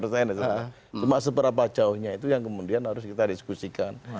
cuma seberapa jauhnya itu yang kemudian harus kita diskusikan